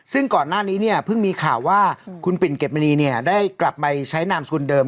ซึ่งก่อนหน้านี้เนี่ยเพิ่งมีข่าวว่าคุณปิ่นเก็บมณีเนี่ยได้กลับไปใช้นามสกุลเดิม